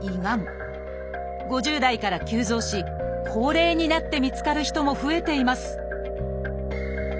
５０代から急増し高齢になって見つかる人も増えています